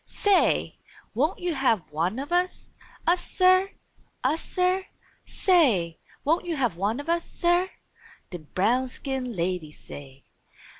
"Say! Won't you have one o' us? Us, Sir? Us, Sir? Say! Won't you have one o' us, Sir?" dem brown skin ladies say.